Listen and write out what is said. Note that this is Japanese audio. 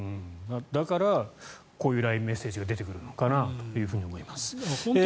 だからこういうＬＩＮＥメッセージが出てくるんだと思います。